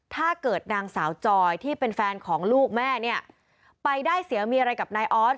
ถ้าเกิดนางสาวจอยที่เป็นแฟนของลูกแม่เนี่ยไปได้เสียเมียอะไรกับนายออส